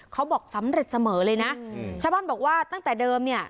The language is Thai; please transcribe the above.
เขาบอกสำเร็จเสมอเลยนะชาวบ้านบอกว่าตั้งแต่เดิมเนี่ย